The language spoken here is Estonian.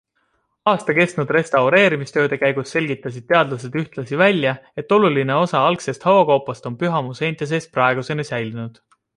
Aasta kestnud restaureerimistööde käigus selgitasid teadlased ühtlasi välja, et oluline osa algsest hauakoopast on pühamu seinte sees praeguseni säilinud.